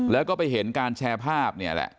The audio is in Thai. แล้วก็ไปเห็นการแชร์ภาพเนี่ยแหละ